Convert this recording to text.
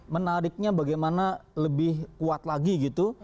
menariknya bagaimana lebih kuat lagi gitu